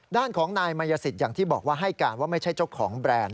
ด้านของนายมายสิทธิอย่างที่บอกว่าให้การว่าไม่ใช่เจ้าของแบรนด์